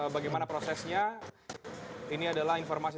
bagaimana prosesnya ini adalah informasi